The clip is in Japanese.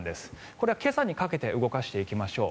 これを今朝にかけて動かしていきましょう。